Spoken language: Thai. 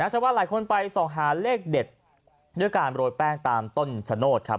ชาวบ้านหลายคนไปส่องหาเลขเด็ดด้วยการโรยแป้งตามต้นชะโนธครับ